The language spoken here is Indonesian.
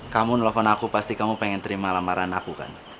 kamu nelfon aku pasti kamu pengen terima lamaran aku kan